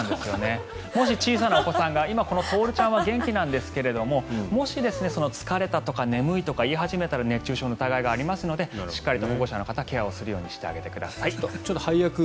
もし小さなお子さんがこの徹ちゃんは元気なんですがもし疲れたとか眠いとか言い始めたら熱中症の疑いがありますのでしっかりと保護者の方ケアをするようにしてください。